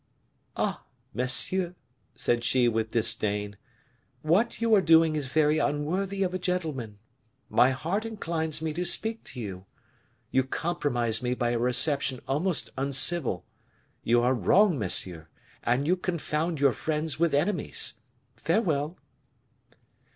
"Ah! monsieur," said she with disdain, "what you are doing is very unworthy of a gentleman. My heart inclines me to speak to you; you compromise me by a reception almost uncivil; you are wrong, monsieur; and you confound your friends with enemies. Farewell!"